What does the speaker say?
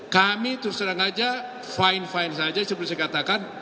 kami terus terang saja fine fine saja seperti saya katakan